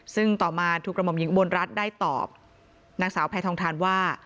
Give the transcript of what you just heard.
ซึ่งต่อมาถูกกระหม่อมหญิงอุบลรัฐได้ตอบนางสาวแพทองทานว่า